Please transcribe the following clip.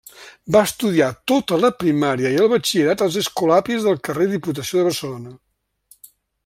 Va estudiar tota la primària i el batxillerat als Escolapis del carrer Diputació de Barcelona.